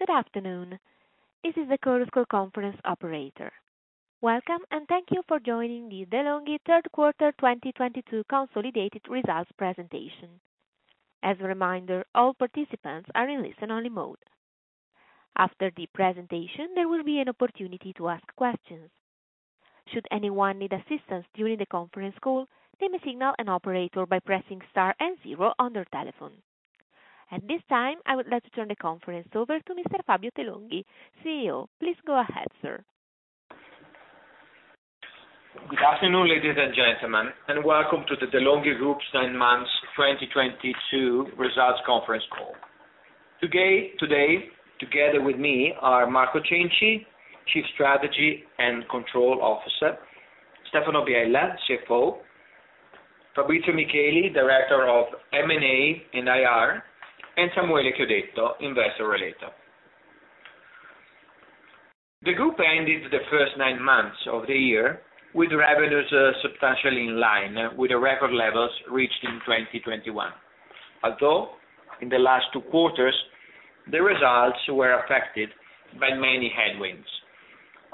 Good afternoon. This is the Chorus Call Conference Operator. Welcome, and thank you for joining the De'Longhi third quarter 2022 consolidated results presentation. As a reminder, all participants are in listen-only mode. After the presentation, there will be an opportunity to ask questions. Should anyone need assistance during the conference call, they may signal an operator by pressing star and zero on their telephone. At this time, I would like to turn the conference over to Mr. Fabio De'Longhi, CEO. Please go ahead, sir. Good afternoon, ladies and gentlemen, and welcome to the De'Longhi Group 9 Months 2022 results conference call. Today, together with me are Marco Cenci, Chief Strategy & Control Officer, Stefano Biella, CFO, Fabrizio Micheli, Director of M&A & IR, and Samuele Chiodetto, Investor Relations. The group ended the first 9 months of the year with revenues substantially in line with the record levels reached in 2021. In the last 2 quarters, the results were affected by many headwinds,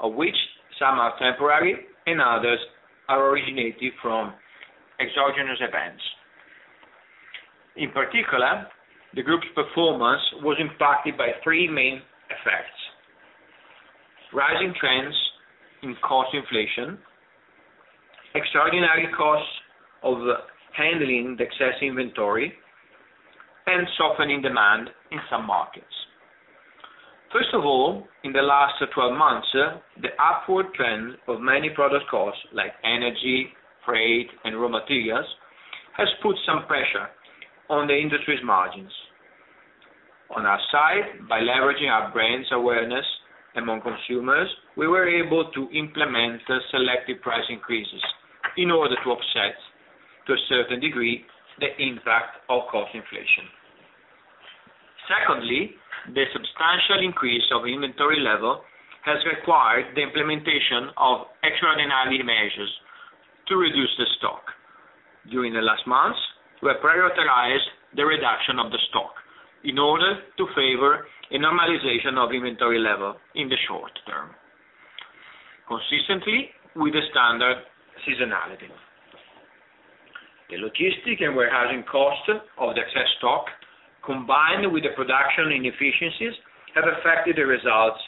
of which some are temporary and others are originated from exogenous events. In particular, the group's performance was impacted by three main effects, rising trends in cost inflation, extraordinary costs of handling the excess inventory, and softening demand in some markets. First of all, in the last 12 months, the upward trend of many product costs like energy, freight, and raw materials has put some pressure on the industry's margins. On our side, by leveraging our brand's awareness among consumers, we were able to implement the selective price increases in order to offset, to a certain degree, the impact of cost inflation. Secondly, the substantial increase of inventory level has required the implementation of extraordinary measures to reduce the stock. During the last months, we have prioritized the reduction of the stock in order to favor a normalization of inventory level in the short-term, consistently with the standard seasonality. The logistic and warehousing cost of the excess stock, combined with the production inefficiencies, have affected the results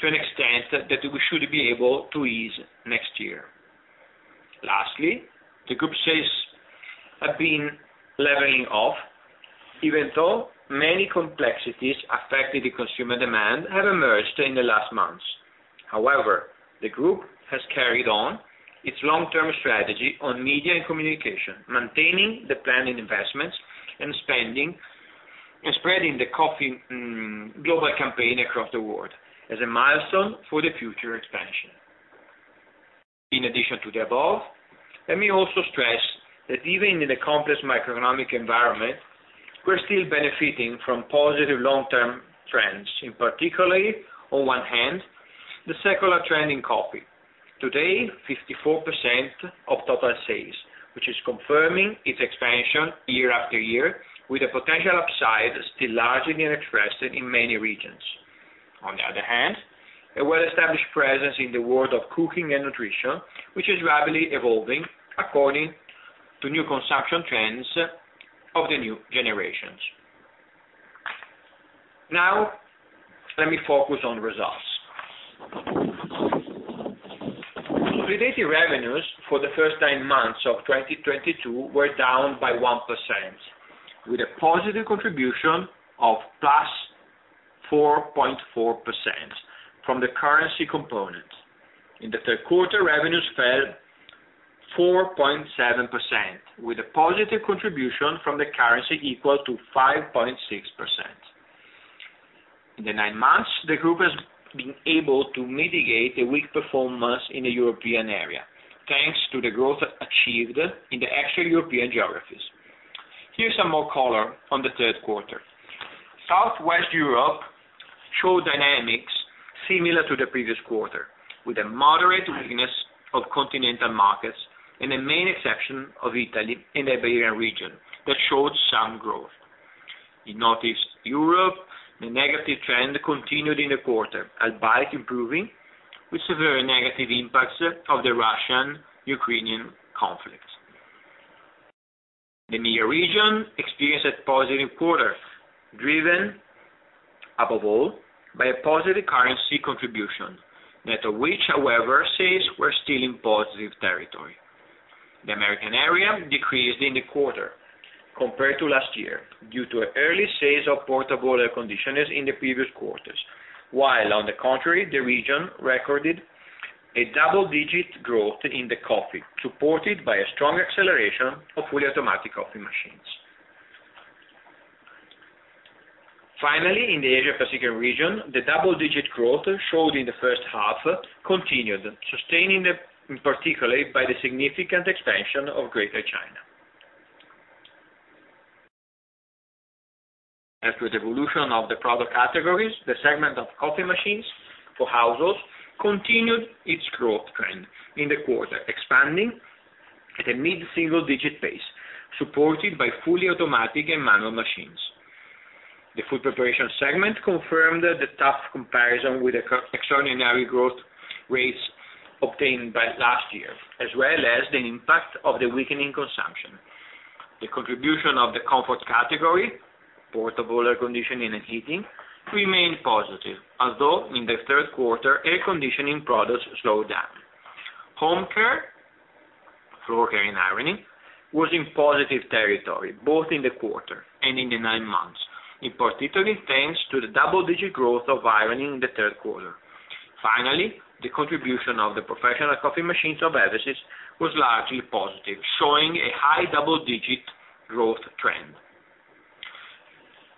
to an extent that we should be able to ease next year. Lastly, the Group sales have been leveling off, even though many complexities affected the consumer demand have emerged in the last months. However, the Group has carried on its long-term strategy on media and communication, maintaining the planned investments and spending, and spreading the Coffee Global Campaign across the world as a milestone for the future expansion. In addition to the above, let me also stress that even in the complex macroeconomic environment, we're still benefiting from positive long-term trends, in particular, on one hand, the secular trend in coffee. Today, 54% of total sales, which is confirming its expansion year after year with a potential upside still largely unexpressed in many regions. On the other hand, a well-established presence in the world of cooking and nutrition, which is rapidly evolving according to new consumption trends of the new generations. Now, let me focus on results. Consolidated revenues for the first 9 months of 2022 were down by 1%, with a positive contribution of +4.4% from the currency component. In the third quarter, revenues fell 4.7%, with a positive contribution from the currency equal to 5.6%. In the 9 months, the group has been able to mitigate a weak performance in the European area, thanks to the growth achieved in the extra-European geographies. Here's some more color on the third quarter. Southwest Europe showed dynamics similar to the previous quarter, with a moderate weakness of continental markets and a main exception of Italy and Iberian region that showed some growth. In Northeast Europe, the negative trend continued in the quarter, albeit improving with severe negative impacts of the Russian-Ukrainian conflict. The MEIA region experienced a positive quarter, driven above all by a positive currency contribution. Net of which, however, sales were still in positive territory. The American area decreased in the quarter compared to last year due to early sales of portable air conditioners in the previous quarters. While on the contrary, the region recorded a double-digit growth in the coffee, supported by a strong acceleration of fully automatic coffee machines. Finally, in the Asia-Pacific region, the double-digit growth shown in the first half continued, sustained in particular by the significant expansion of Greater China. As to the evolution of the product categories, the segment of coffee machines for households continued its growth trend in the quarter, expanding at a mid-single digit pace, supported by fully automatic and manual machines. The food preparation segment confirmed the tough comparison with the extraordinary growth rates obtained by last year, as well as the impact of the weakening consumption. The contribution of the comfort category, portable air conditioning and heating, remained positive, although in the third quarter, air conditioning products slowed down. Home care, floor care and ironing, was in positive territory, both in the quarter and in the nine months, in particular, thanks to the double-digit growth of ironing in the third quarter. Finally, the contribution of the professional coffee machines of Eversys was largely positive, showing a high double-digit growth trend.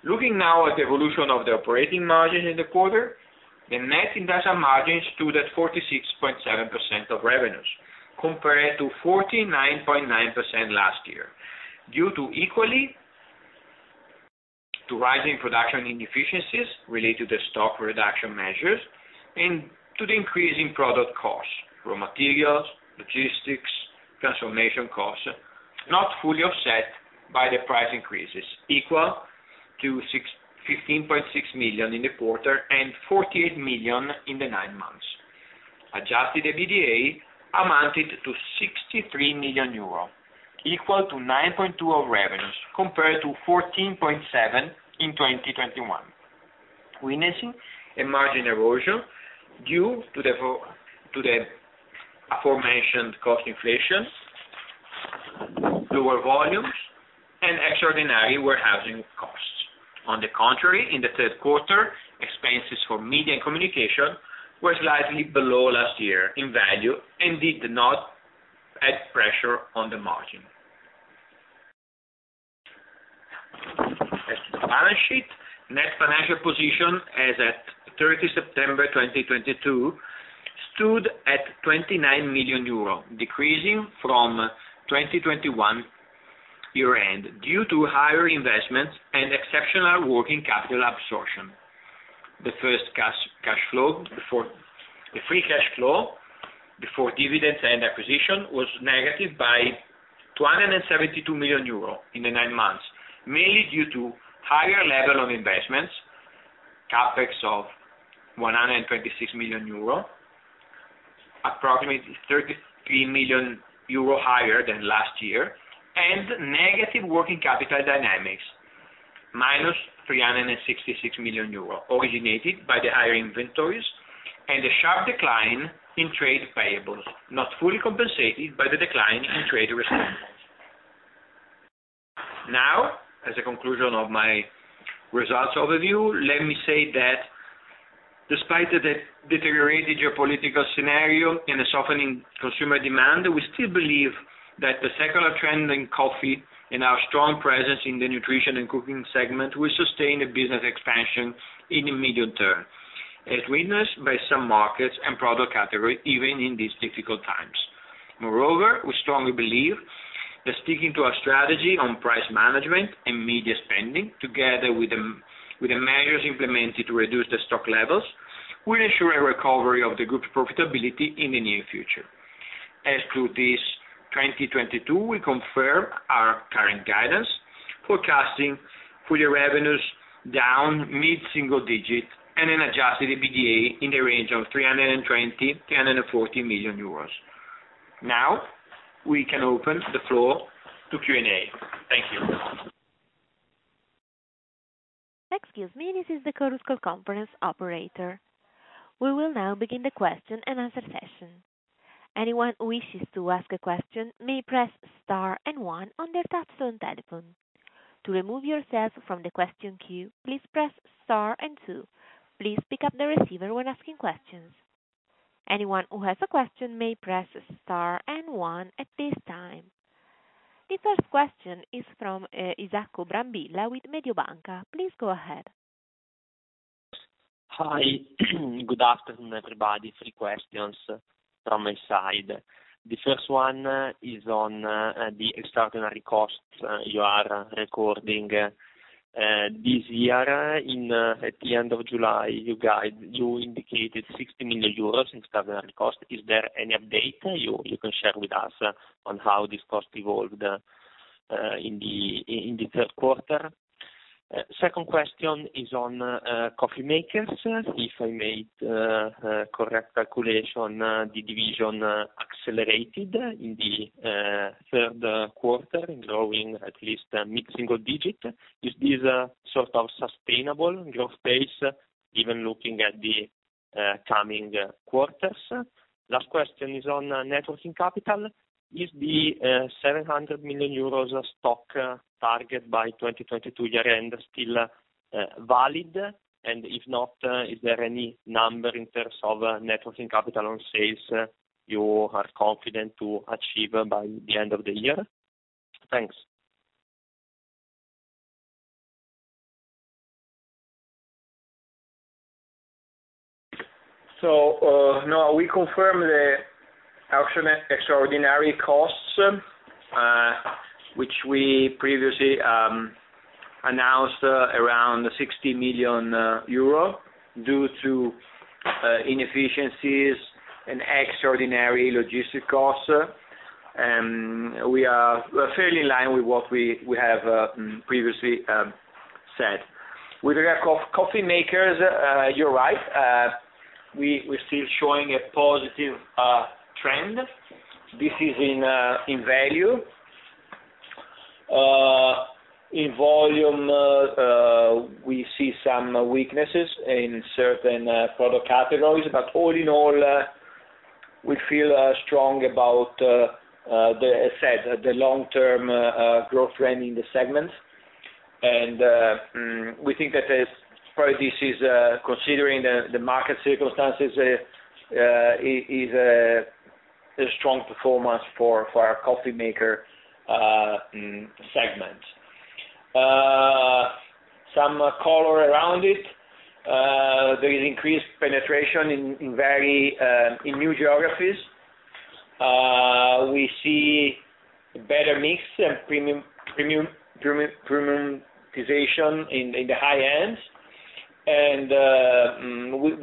Looking now at the evolution of the operating margin in the quarter, the Net Industrial Margin stood at 46.7% of revenues, compared to 49.9% last year, due equally to rising production inefficiencies related to the stock reduction measures and to the increase in product costs, raw materials, logistics, transformation costs, not fully offset by the price increases, equal to 15.6 million in the quarter and 48 million in the nine months. Adjusted EBITDA amounted to 63 million euro, equal to 9.2% of revenues, compared to 14.7% in 2021. Witnessing a margin erosion due to the aforementioned cost inflation, lower volumes, and extraordinary warehousing costs. In the third quarter, expenses for media and communication were slightly below last year in value and did not add pressure on the margin. As to the balance sheet, Net Financial Position as at 30 September 2022 stood at 29 million euro, decreasing from 2021 year-end due to higher investments and exceptional working capital absorption. The Free Cash Flow before dividends and acquisition was negative by 272 million euro in the 9 months, mainly due to higher level of investments, CapEx of 126 million euro, approximately 33 million euro higher than last year, and negative working capital dynamics, minus 366 million euros, originated by the higher inventories and a sharp decline in trade payables, not fully compensated by the decline in trade receivables. Now, as a conclusion of my results overview, let me say that despite the de-deteriorated geopolitical scenario and a softening consumer demand, we still believe that the secular trend in coffee and our strong presence in the nutrition and cooking segment will sustain a business expansion in the medium term, as witnessed by some markets and product category, even in these difficult times. Moreover, we strongly believe that sticking to our strategy on price management and media spending, together with the measures implemented to reduce the stock levels, will ensure a recovery of the group's profitability in the near future. As to 2022, we confirm our current guidance, forecasting full-year revenues down mid-single-digit% and an adjusted EBITDA in the range of 320 million-340 million euros. Now, we can open the floor to Q&A. Thank you. Excuse me. This is the Chorus Call conference operator. We will now begin the question and answer session. Anyone who wishes to ask a question may press Star and One on their touchtone telephone. To remove yourself from the question queue, please press Star and Two. Please pick up the receiver when asking questions. Anyone who has a question may press Star and One at this time. The first question is from Isacco Brambilla with Mediobanca. Please go ahead. Hi. Good afternoon, everybody. Three questions from my side. The first one is on the extraordinary costs you are recording this year. In at the end of July, you indicated 60 million euros in extraordinary costs. Is there any update you can share with us on how this cost evolved in the third quarter? Second question is on coffee makers. If I made correct calculation, the division accelerated in the third quarter, growing at least mid-single digit. Is this sort of sustainable growth pace even looking at the coming quarters? Last question is on net working capital. Is the 700 million euros stock target by 2022 year-end still valid? If not, is there any number in terms of net working capital on sales you are confident to achieve by the end of the year? Thanks. No, we confirm the actual extraordinary costs, which we previously announced around 60 million euro due to inefficiencies and extraordinary logistics costs. We are fairly in line with what we have previously said. With regard to coffee makers, you're right. We're still showing a positive trend. This is in value. In volume, we see some weaknesses in certain product categories. But all in all, we feel strong about the asset, the long-term growth trend in the segment. We think that this probably is, considering the market circumstances, a strong performance for our coffee maker segment. Some color around it. There is increased penetration in new geographies. We see better mix and premiumization in the high ends.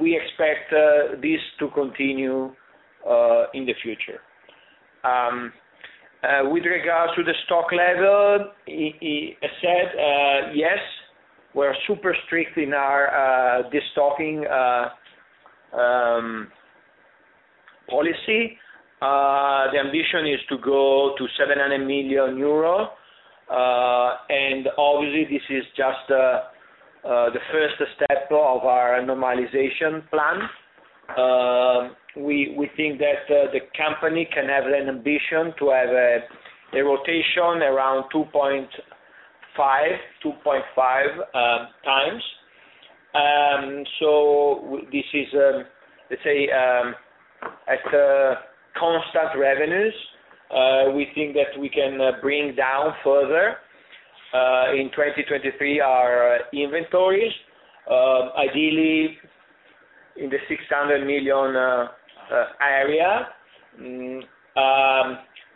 We expect this to continue in the future. With regards to the stock level, I said yes, we're super strict in our destocking policy. The ambition is to go to 700 million euro. Obviously this is just the first step of our normalization plan. We think that the company can have an ambition to have a rotation around 2.5 times. This is, let's say, at constant revenues, we think that we can bring down further in 2023 our inventories, ideally in the 600 million area.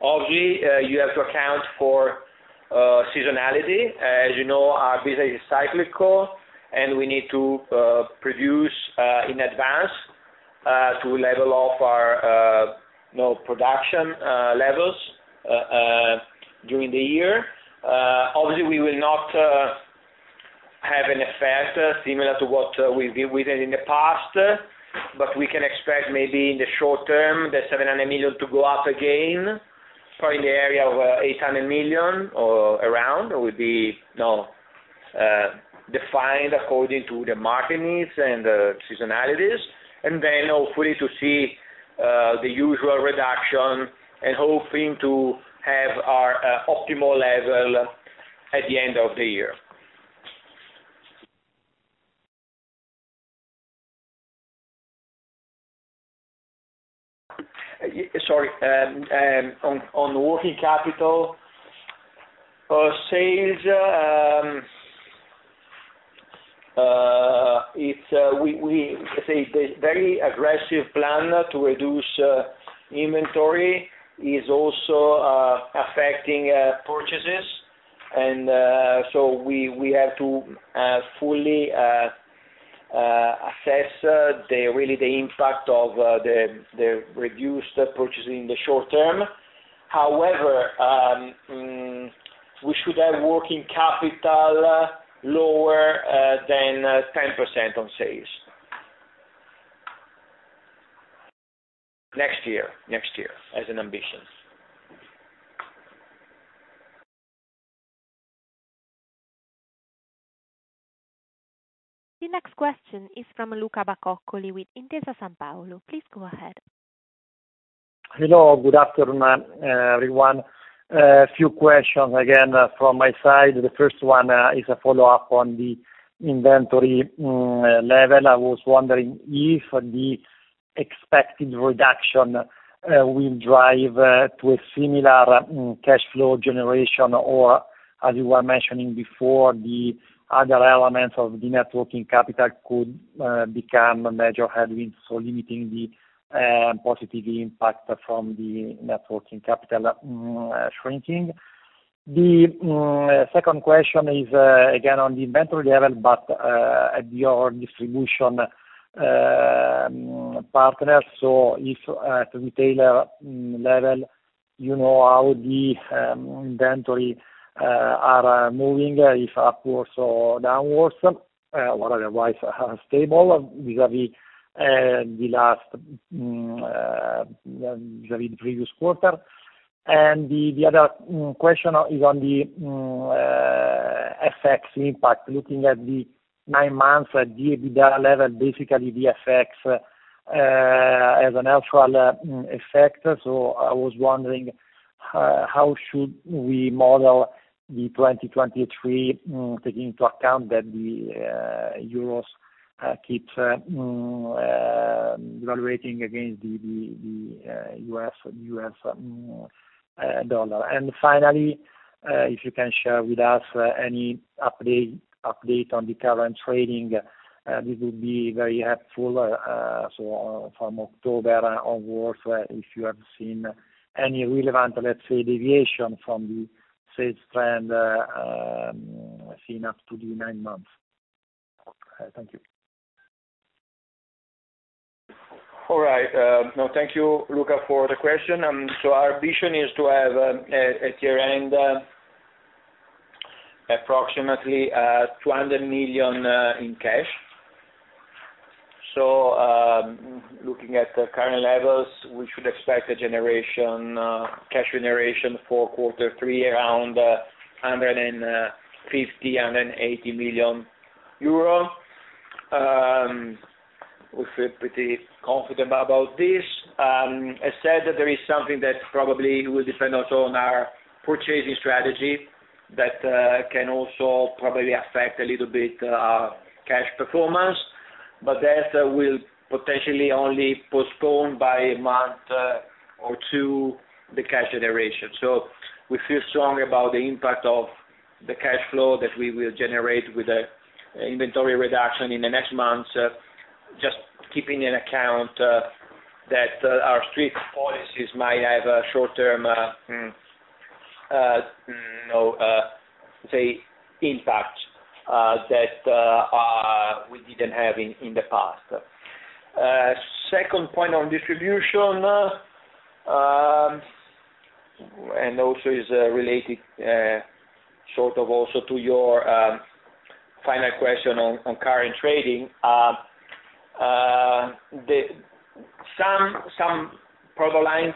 Obviously, you have to account for seasonality. As you know, our business is cyclical, and we need to produce in advance to level off our you know production levels during the year. Obviously, we will not have an effect similar to what we've dealt with in the past, but we can expect maybe in the short term, the 700 million to go up again, probably in the area of 800 million or around. It would be you know defined according to the market needs and the seasonalities, and then hopefully to see the usual reduction and hoping to have our optimal level at the end of the year. Sorry. On working capital sales, it's we say the very aggressive plan to reduce inventory is also affecting purchases. We have to fully assess the real impact of the reduced purchasing in the short term. However, we should have working capital lower than 10% on sales. Next year as an ambition. The next question is from Luca Bacoccoli with Intesa Sanpaolo. Please go ahead. Hello. Good afternoon, everyone. A few questions again from my side. The first one is a follow-up on the inventory level. I was wondering if the expected reduction will drive to a similar cash flow generation, or as you were mentioning before, the other elements of the working capital could become a major headwind, so limiting the positive impact from the working capital shrinking. The second question is again on the inventory level, but your distribution partners. If at the retailer level, you know how the inventory are moving, if upwards or downwards, or otherwise are stable vis-a-vis the previous quarter. The other question is on the FX impact, looking at the nine months at the EBITDA level, basically the FX as a natural effect. I was wondering how should we model the 2023, taking into account that the euro keeps appreciating against the US dollar. Finally, if you can share with us any update on the current trading, this would be very helpful, so from October onwards, if you have seen any relevant, let's say, deviation from the sales trend seen up to the nine months. Thank you. All right. No, thank you, Luca, for the question. Our vision is to have at year-end approximately EUR 200 million in cash. Looking at the current levels, we should expect cash generation for quarter three around 150 million-180 million euro. We feel pretty confident about this. I said that there is something that probably will depend also on our purchasing strategy that can also probably affect a little bit cash performance, but that will potentially only postpone by a month or two the cash generation. We feel strong about the impact of the cash flow that we will generate with the inventory reduction in the next months. Just taking into account that our strict policies might have a short-term, you know, say, impact that we didn't have in the past. Second point on distribution and also is related sort of also to your final question on current trading. Some product lines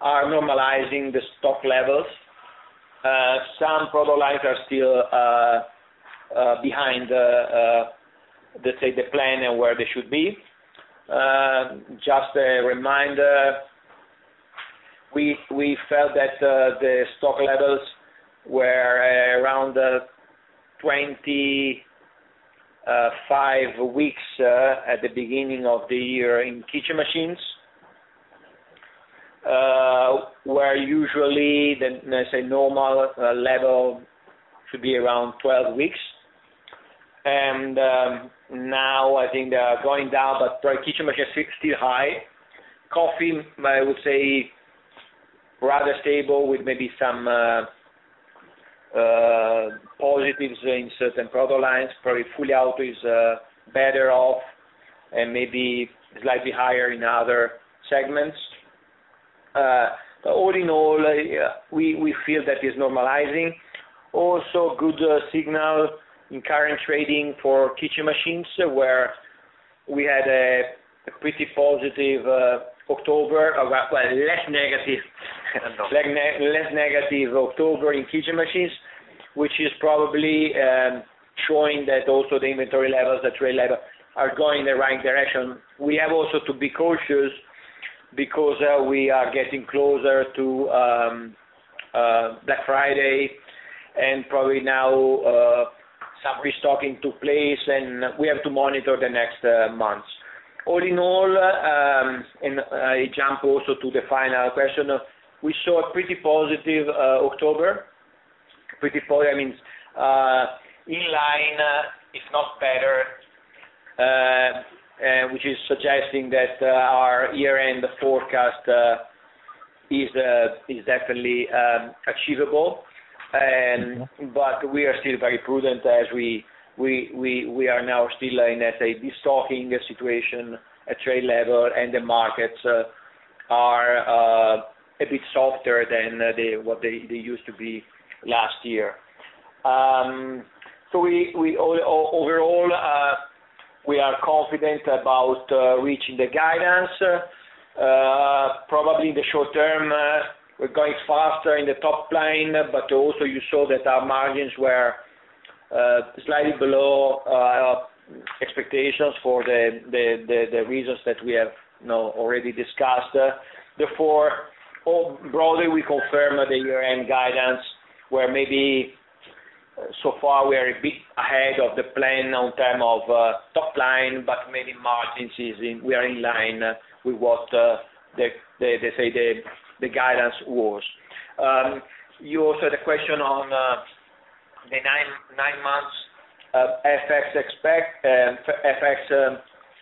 are normalizing the stock levels. Some product lines are still behind the, let's say, the plan and where they should be. Just a reminder, we felt that the stock levels were around 25 weeks at the beginning of the year in kitchen machines, where usually the, let's say, normal level should be around 12 weeks. Now I think they are going down, but kitchen machines are still high. Coffee, I would say rather stable with maybe some positives in certain product lines. Probably fully auto is better off and maybe slightly higher in other segments. All in all, yeah, we feel that is normalizing. Also good signal in current trading for kitchen machines, where we had a pretty positive October, well, less negative. Less negative October in kitchen machines, which is probably showing that also the inventory levels, the trade level, are going in the right direction. We have also to be cautious because we are getting closer to Black Friday and probably now some restocking took place, and we have to monitor the next months. All in all, I jump also to the final question, we saw a pretty positive October. Pretty positive, I mean, in line, if not better, which is suggesting that our year-end forecast is definitely achievable. Mm-hmm. We are still very prudent as we are now still in, let's say, destocking situation at trade level, and the markets are a bit softer than what they used to be last year. Overall, we are confident about reaching the guidance. Probably in the short term, we're going faster in the top line, but also you saw that our margins were slightly below expectations for the reasons that we have, you know, already discussed. Therefore, or broadly, we confirm the year-end guidance, where maybe so far we are a bit ahead of the plan in terms of top line, but maybe margins, we are in line with what the, let's say, the guidance was. You also had a question on the nine months FX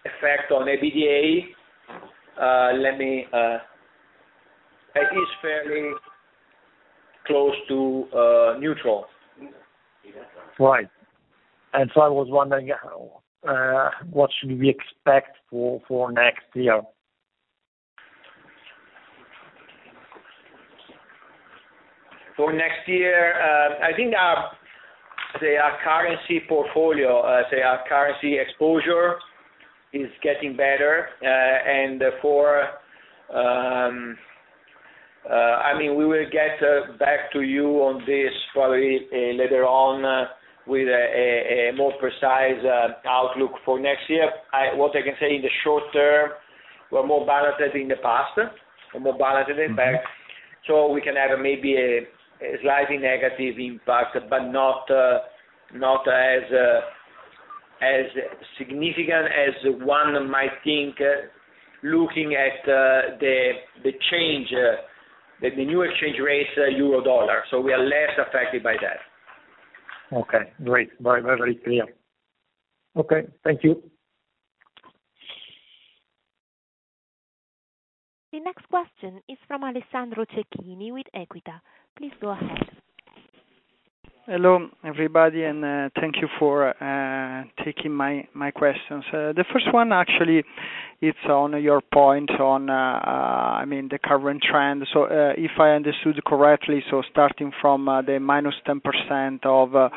effect on EBITDA. It is fairly close to neutral. Right. I was wondering, what should we expect for next year? For next year, I think, let's say, our currency exposure is getting better. I mean, we will get back to you on this probably later on with a more precise outlook for next year. What I can say in the short term, we're more balanced than in the past. More balanced impact. We can have maybe a slightly negative impact, but not as significant as one might think, looking at the change, the new exchange rates, euro-dollar. We are less affected by that. Okay. Great. Very, very clear. Okay. Thank you. The next question is from Alessandro Cecchini with Equita. Please go ahead. Hello, everybody, and thank you for taking my questions. The first one actually it's on your point on, I mean, the current trend. If I understood correctly, starting from the -10% of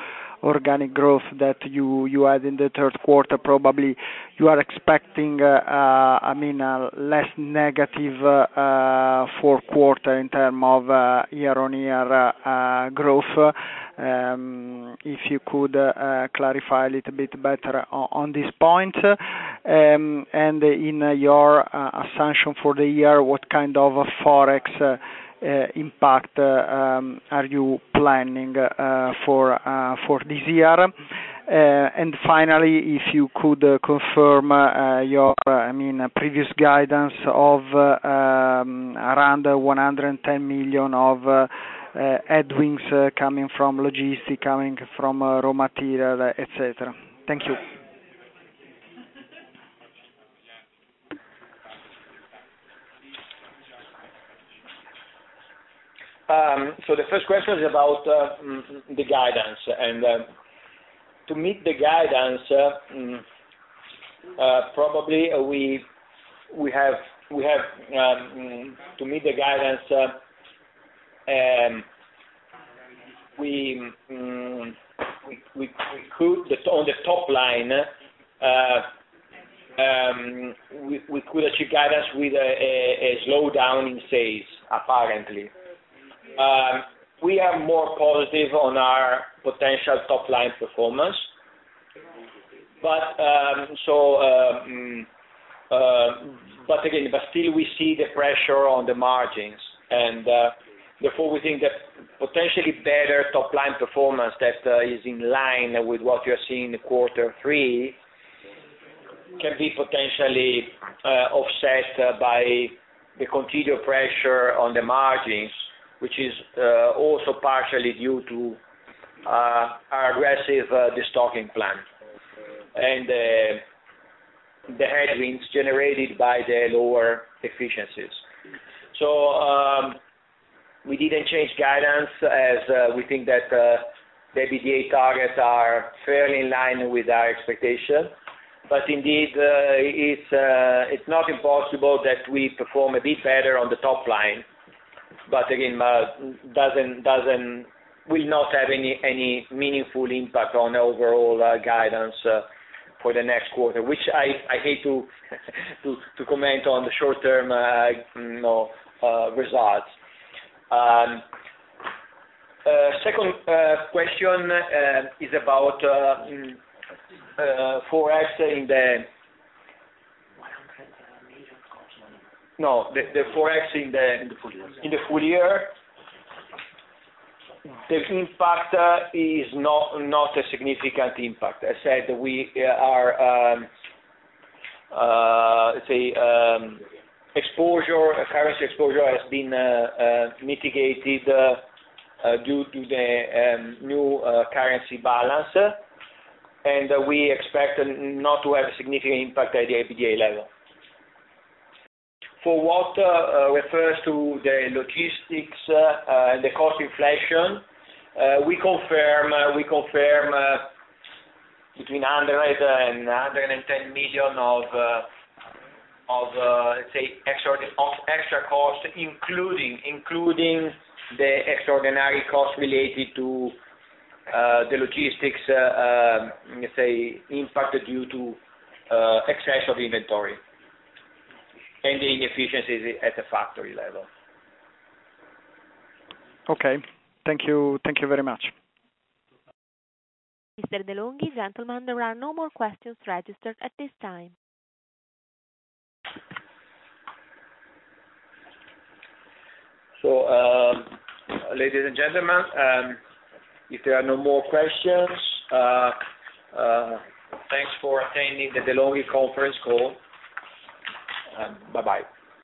organic growth that you had in the third quarter, probably you are expecting, I mean, a less negative fourth quarter in terms of year-on-year growth. If you could clarify a little bit better on this point. In your assumption for the year, what kind of FX impact are you planning for this year? Finally, if you could confirm your, I mean, previous guidance of around 110 million of headwinds coming from logistics, raw material, et cetera. Thank you. The first question is about the guidance. To meet the guidance, probably we have to meet the guidance. We could achieve guidance on the top line with a slowdown in sales, apparently. We are more positive on our potential top line performance. Still we see the pressure on the margins. Therefore, we think that potentially better top line performance that is in line with what you are seeing in quarter three can be potentially offset by the continued pressure on the margins, which is also partially due to our aggressive destocking plan and the headwinds generated by the lower efficiencies. We didn't change guidance as we think that the EBITDA targets are fairly in line with our expectation. Indeed, it's not impossible that we perform a bit better on the top line. Again, will not have any meaningful impact on overall guidance for the next quarter, which I hate to comment on the short-term, you know, results. Second question is about Forex in the EUR 100 million cost. No, the FX in the In the full year. In the full year. The impact is not a significant impact. I said currency exposure has been mitigated due to the new currency balance. We expect not to have a significant impact at the EBITDA level. For what refers to the logistics and the cost inflation, we confirm between 100 million and 110 million of, let's say, extra cost, including the extraordinary cost related to the logistics, let's say, impacted due to excess of inventory and the inefficiencies at the factory level. Okay. Thank you. Thank you very much. Mr. De'Longhi, gentlemen, there are no more questions registered at this time. Ladies and gentlemen, if there are no more questions, thanks for attending the De'Longhi conference call. Bye-bye.